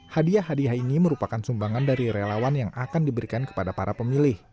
hadiah hadiah ini merupakan sumbangan dari relawan yang akan diberikan kepada para pemilih